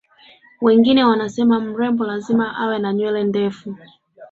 wengine wanasema mrembo lazima awe na nywele ndefu